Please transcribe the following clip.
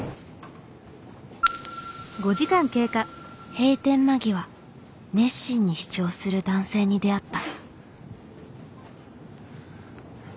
閉店間際熱心に試聴する男性に出会った。